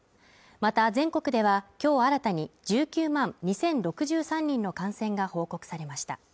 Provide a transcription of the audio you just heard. また全国では今日新たに１９万２０６３人の感染が報告されました。